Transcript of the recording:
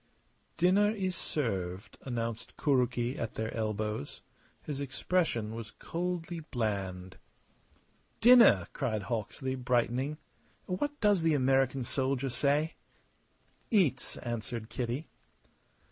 "Dinner is served," announced Kuroki at their elbows. His expression was coldly bland. "Dinner!" cried Hawksley, brightening. "What does the American soldier say?" "Eats!" answered Kitty.